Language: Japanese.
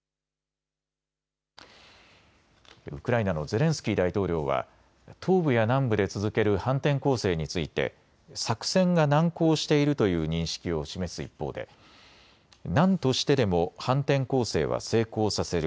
ウクライナのゼレンスキー大統領は東部や南部で続ける反転攻勢について作戦が難航しているという認識を示す一方でなんとしてでも反転攻勢は成功させる。